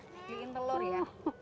pilihin telur ya